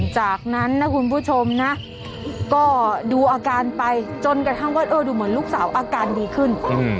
จากนั้นนะคุณผู้ชมนะก็ดูอาการไปจนกระทั่งว่าเออดูเหมือนลูกสาวอาการดีขึ้น